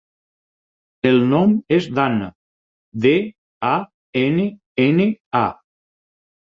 El nom és Danna: de, a, ena, ena, a.